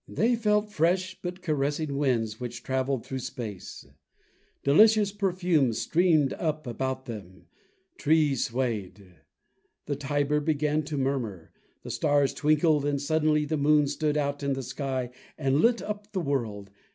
They felt fresh, but caressing winds which traveled through space; delicious perfumes streamed up about them; trees swayed; the Tiber began to murmur; the stars twinkled, and suddenly the moon stood out in the sky and lit up the world.